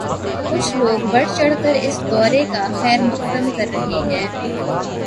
کچھ لوگ بڑھ چڑھ کر اس دورے کا خیر مقدم کر رہے ہیں۔